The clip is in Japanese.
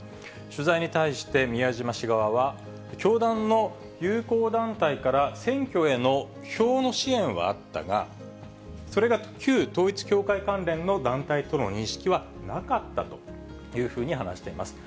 取材に対して、宮島氏側は、教団の友好団体から選挙への票の支援はあったが、それが旧統一教会関連の団体との認識はなかったというふうに話しています。